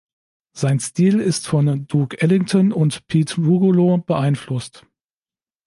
Sein Stil ist von Duke Ellington und Pete Rugolo beeinflusst.